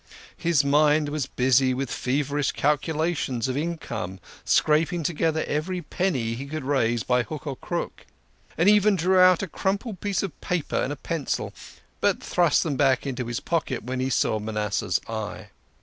His mind was busy with feverish calculations of income, scraping together every penny he could raise by hook or crook. He even drew out a crumpled piece of paper and a pencil, but thrust them back into his pocket when he saw Manasseh's eye.